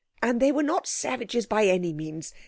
"And they were not savages by any means.